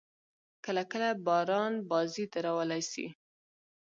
کله – کله باران بازي درولای سي.